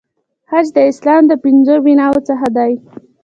حج د اسلام د پنځو بناوو څخه دی.